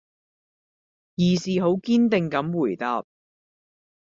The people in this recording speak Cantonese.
義士好堅定咁回答